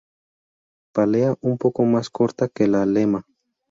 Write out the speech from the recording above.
Pálea un poco más corta que la lema.